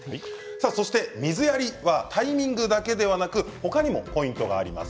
そして、水やりタイミングだけではなくて他にもポイントがあります。